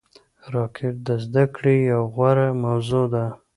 راکټ د زده کړې یوه غوره موضوع ده